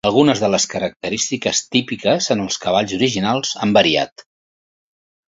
Algunes de les característiques típiques en els cavalls originals han variat.